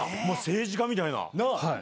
政治家みたいな。